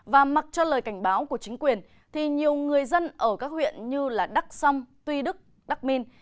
và mặc cho lời cảnh báo của chính quyền thì nhiều người dân ở các huyện như đắk sông tuy đức đắk minh